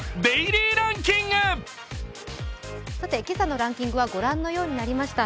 今朝のランキングはご覧のとおりになりました。